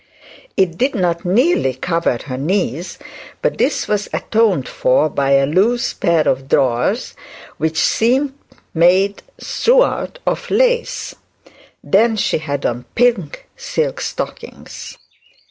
It did not nearly cover her knees; but this was atoned for by a loose pair of drawers which seemed made throughout of lace; then she had on pink silk stockings.